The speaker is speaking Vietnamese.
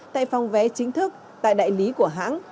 tại phòng vé chính thức tại đại lý của hãng